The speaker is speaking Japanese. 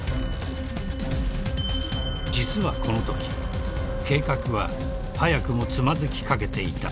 ［実はこのとき計画は早くもつまずきかけていた］